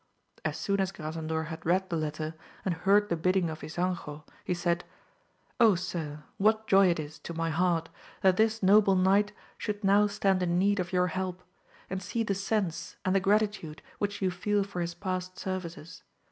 As soon as Grasandor had read the letter, and heard the bid ding of Ysanjo : he said, sir, what joy it is to my heart that this noble knight should now stand in need of your help, and see the sense, and the gratitude which you feel for his past services